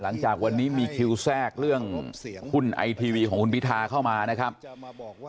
หลังจากวันนี้มีคิวแทรกเรื่องหุ้นไอทีวีของคุณพิธาเข้ามานะครับ